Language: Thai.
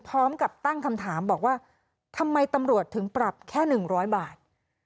พร้อมกับตั้งคำถามบอกว่าทำไมตำรวจถึงปรับแค่๑๐๐บาท